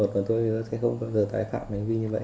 và tôi sẽ không bao giờ tai phạm bởi vì như vậy